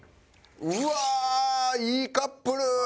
うわーいいカップル！